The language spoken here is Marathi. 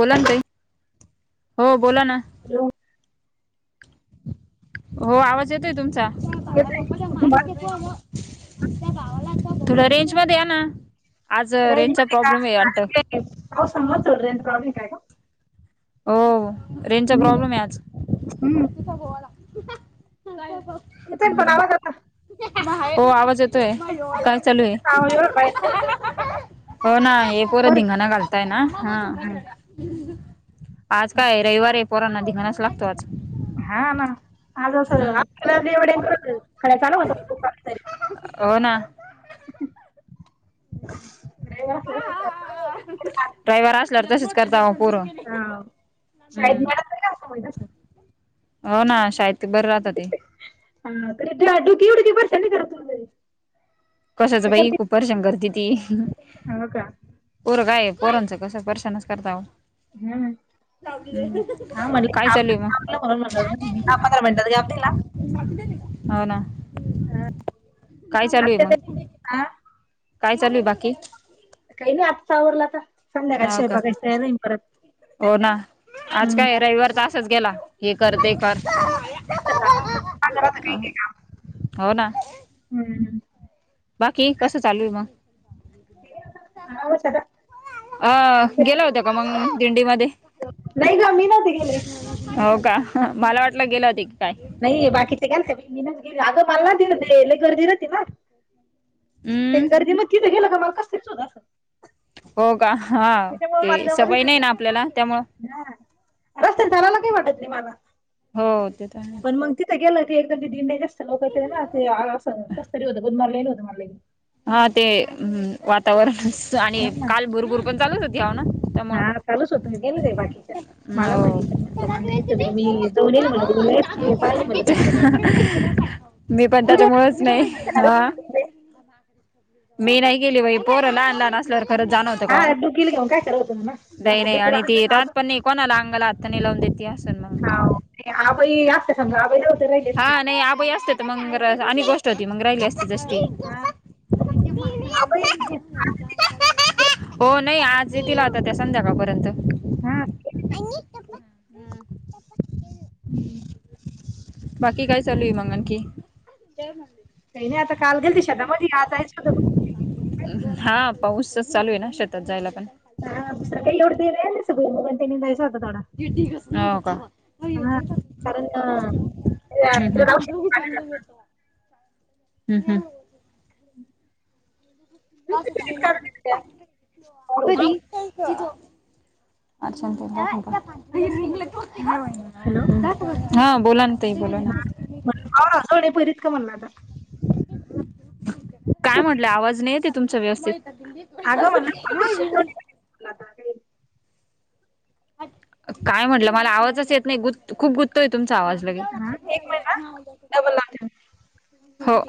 बोला ना ताई. हो बोला ना. हॅलो. हो आवाज येतोय तुमचा? थोड रेंज मध्ये यांना ना आज रेंजचा प्रॉब्लेम आहे वाटत. समजोरेंत प्रॉ्लेम काय का. हो रेंजचा प्रॉब्लेम हम्म. आहे आज. येतोय पण आवाज आता हो आवाज येतोय काय? चालू आहे आवाज एवढं बाहेर हो ना हे पोरं पोरी धिंगाणा घालताय ना हा. काय आज काय रविवार आहे पोरांना िघाणस लागतो आज. हा ना आज असव हम्म - हो ना. पु [inaudible] रविवार असल्यावर तसेच करता पोर. हा [inaudible] हो ना शाळेत बर राहत ते. [inaudible] कशाचं काय बाई करते? कूपर्शं [inaudible] ती किती. हो का पोरगा आहे पोरांचं तास आहे परर्शानच करतव परर्शानच करता. हम्म. हा म्हण काय चालू आहे मग म्हणण म्हणात का आपल्याला. [inaudible] हो ना. हा. काय चालू आहे मग. आ काय चालूय आहे बाकी. काही नाही आता आवरलं संध्याकाळ हो का स्वयंपाक तयारी राहील परत. हो ना आज हम्म. काय रविवार असाच गेला हे कर ते कर माझं राहतं काही अ काही काम. हो ना. हम्म. बाकी कसं चालूय मग? आरामच आता. वा [inaudible] अ गेला होत्या का मग दिंडी मध्ये. नाही ग मी नव्हते गेले. हो का मला वाटलं गेला होता की काय. नाही बाकीचचे गेलेले अगं मल [inaudible] गर्दी राहते ना. ते हम्म गांधी मध्ये गेले की मला कस तरी होत. हो का हा ते सवय नाही ना आपल्याला त्यामुळ. ह रस्त्यातून चालायला काही वाटत नाही मला. हो ते तर आहे. पण मग गेलं क एकदम ते दिंडे्या जास्त लोक होते ना ते कसतरी होत गुन मारले होतं मरले. हा ते वातावरण आणि हा काल बुरभूर पण चालूच होती हना. हा चालूच होत गेलं ते बाकीच्या मला हो म्हणे तर म्हटलं मगच मी. जाऊन येईल म्हणलं तुम्ही नाही ते पाहिजे म्हणलं कसं होतं म्हणलं मी पण तू त्या तमुळेळच नाही काय हा. म्हणते? हं [unintelligible] मी नाही गेली बाई, पोरं लहान लहान असल्यावर खरच जाणं काओ, हा डुकीला घेऊन काय करत होतं ना नाही आता नाही, डुकीला आणि ती आप- लहानपणी कोणाला अंगाला हात पण लावून नाही देत. असल हाव. मग. आबाई असतं समजा आबाई ला होत राई हा नाही, आबई असते तर मग आणि गोष्ट होती मग राहिली असती ती. हा कोण ती बोल आबाई [unintelligible] हो नाही, आज येतिल आता त्या संध्याकाळपर्यंत. हं [inaudible] बाकी काय चालूय मग आणखी. काही नाही आता काल गेलते शेता मधी, आज जायचं होतं. हा, पाऊसच चालू आहे ना शेतात जायला पण. हा, दुसर काही ऐवढं ते नाय नुसतं, भुईमुग ते निघायचं होता तेवढा. हो का. कारण हम्म अं, हम्म, ते- ते राहू शकत नाही. हम्म हम्म. कारण ते- ते- कधी? अच्छा. हॅलो [unintelligible] हा बोला ना ताई बोला ना. जोडे बारित का म्हणलं आता. काय म्हटल्या, आवाज नाही येतय तुमचा व्यवस्थित. नाही अगं म्हणलं पाव ग बाई. राजवाडे [unintelligible] परीत म्हणलं आता काय म्हंटलं मला आवाजच येत नाही, गु खूप गुत्तोय तुमचा आवाज लगे, हा एक मिनिट हा डबल लावते हो.